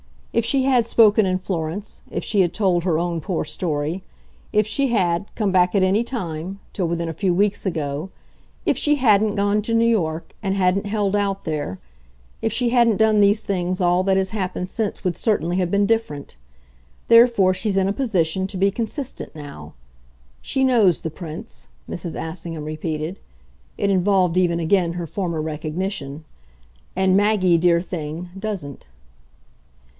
If she had spoken in Florence; if she had told her own poor story; if she had, come back at any time till within a few weeks ago; if she hadn't gone to New York and hadn't held out there: if she hadn't done these things all that has happened since would certainly have been different. Therefore she's in a position to be consistent now. She knows the Prince," Mrs. Assingham repeated. It involved even again her former recognition. "And Maggie, dear thing, doesn't."